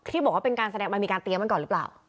บอกว่าเป็นการแสดงมันมีการเตรียมมาก่อนหรือเปล่า